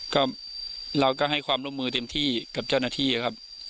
ก็เราก็ให้ความร่วมมือเต็มที่กับเจ้าหน้าที่ครับ